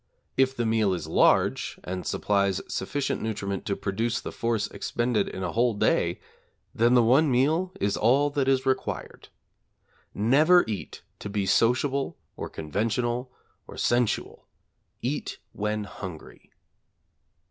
If the meal is large and supplies sufficient nutriment to produce the force expended in a whole day, then the one meal is all that is required. Never eat to be sociable, or conventional, or sensual; eat when hungry.